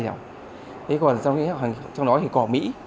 thế còn trong đó thì có mỹ